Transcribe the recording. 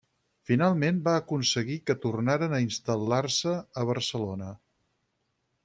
Finalment va aconseguir que tornaren a instal·lar-se a Barcelona.